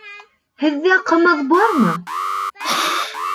Һеҙҙә ҡымыҙ бармы?